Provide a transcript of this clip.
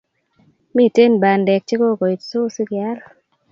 Miten Bandek che kokoit so sikeyal